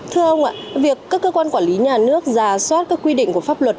thưa ông ạ việc các cơ quan quản lý nhà nước giả soát các quy định của pháp luật